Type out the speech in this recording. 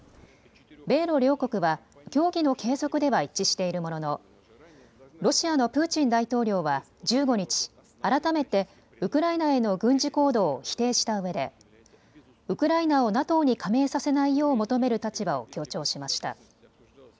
米ロ両国は協議の継続では一致しているもののロシアのプーチン大統領は１５日、改めてウクライナへの軍事行動を否定したうえでウクライナをＮＡＴＯに加盟させないよう求める立場を強調しました。